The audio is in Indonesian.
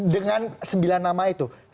dengan sembilan nama itu